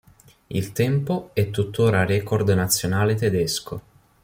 Il tempo è tuttora record nazionale tedesco.